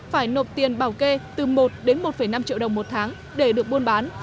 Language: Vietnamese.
phải nộp tiền bảo kê từ một đến một năm triệu đồng một tháng để được buôn bán